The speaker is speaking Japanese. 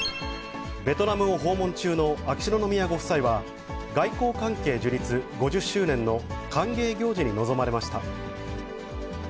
ベトナムを訪問中の秋篠宮ご夫妻は、外交関係樹立５０周年の歓迎行事に臨まれました。